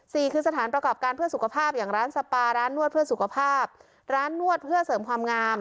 สี่คือสถานประกอบการเพื่อสุขภาพอย่างร้านสปาร้านนวดเพื่อสุขภาพร้านนวดเพื่อเสริมความงาม